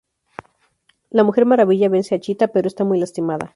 La Mujer Maravilla vence a Chita, pero está muy lastimada.